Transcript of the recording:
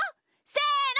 せの！